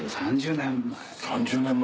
３０年前。